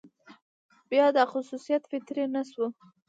بيا دا خصوصيت فطري نه شو،